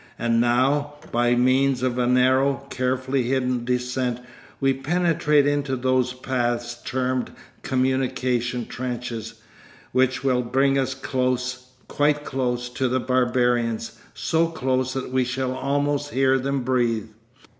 And now by means of a narrow, carefully hidden descent we penetrate into those paths termed communication trenches, which will bring us close, quite close, to the barbarians, so close that we shall almost hear them breathe.